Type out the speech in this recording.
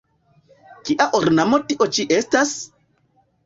Kia ornamo tio ĉi estas?